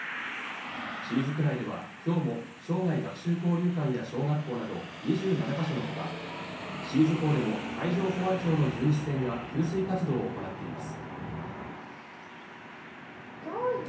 清水区内では今日も生涯学習交流館や小学校など２７か所のほか、清水港でも海上保安庁の巡視船が給水活動を行っています。